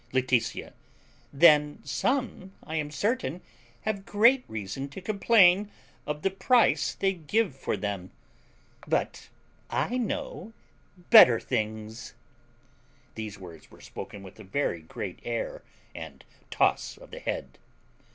Laetitia. Then some, I am certain, have great reason to complain of the price they give for them. But I know better things. (These words were spoken with a very great air, and toss of the head.)